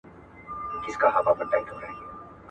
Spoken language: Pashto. خو لکه سیوری بې اختیاره ځمه ,